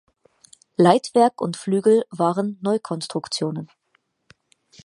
Leitwerk und Flügel waren Neukonstruktionen.